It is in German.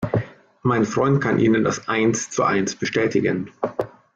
Mein Freund kann Ihnen das eins zu eins bestätigen.